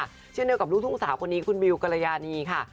เช่นเดียวกับลูกทุ่งสาวคนนี้คุณบิวกรยานีค่ะ